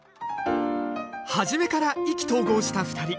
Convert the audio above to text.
初めから意気投合した２人。